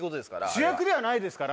主役ではないですから。